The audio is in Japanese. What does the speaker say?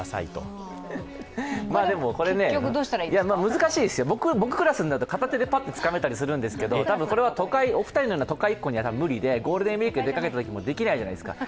難しいですよ、僕クラスになると片手でパッとつかめたりするんですけど、お二人のように多分これは都会っ子には無理でゴールデンウイークに出かけたときもできないじゃないですか。